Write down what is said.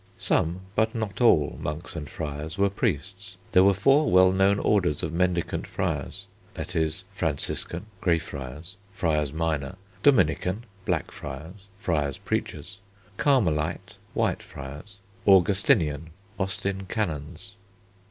Some, but not all, monks and friars were priests. There were four well known orders of mendicant friars, viz. Franciscan (Grey friars, friars minor), Dominican (Black friars, friars preachers), Carmelite (White friars), Augustinian (Austin canons).